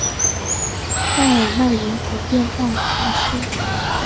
塞尔奈人口变化图示